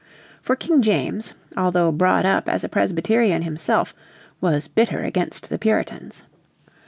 For King James, although brought up as a Presbyterian himself, was bitter against the Puritans.